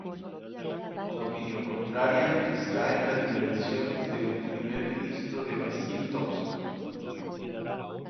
Una opinión contraria está en Las diversiones de un primer ministro de Basil Thomson.